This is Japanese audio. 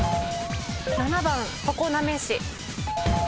７番とこなめ市。